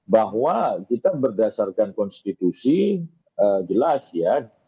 bahwa kita berdasarkan konstitusi jelas ya